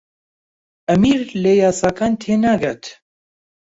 ئەمیر لە یاساکان تێناگات.